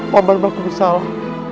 paman bakal bersalah